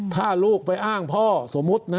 ถ้าลูกไปอ้างพ่อสมมุตินะ